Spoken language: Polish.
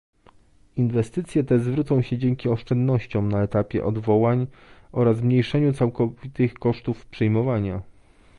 Inwestycje te zwrócą się dzięki oszczędnościom na etapie odwołań oraz zmniejszeniu całkowitych kosztów przyjmowania